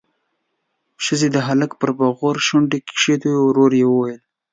ښځې د هلک پر بغور شونډې کېښودې، ورو يې وويل: